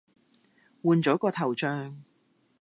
換咗個頭像